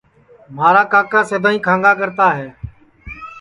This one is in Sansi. مھارا کاکا سدائیں کھانٚگا کرا ہے